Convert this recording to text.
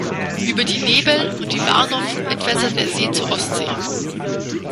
Über die Nebel und die Warnow entwässert der See zur Ostsee.